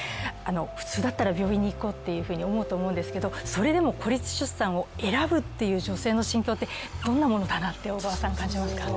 普通だったら病院に行こうっていうふうに思うと思うんですけどそれでも孤立出産を選ぶという女性の心境ってどんなものだと思いますか？